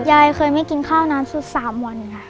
ยายเคยไม่กินข้าวนานสุด๓วันค่ะ